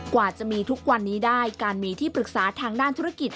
กว่าจะมีทุกวันนี้ได้การมีที่ปรึกษาทางด้านธุรกิจ